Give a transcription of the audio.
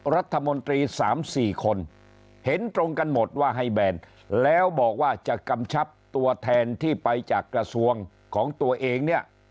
รัฐมนตรี๓๔คนเห็นตรงกันหมดว่าให้แบนแล้วบอกว่าจะกำชับตัวแทนที่ไปจากกระทรวงของตัวเองเนี่ย